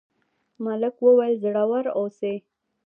ملک وویل زړور اوسئ.